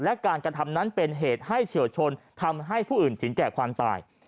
และการกระทำนั้นเป็นเหตุให้เฉียวชนทำให้ผู้อื่นถึงแก่ความตาย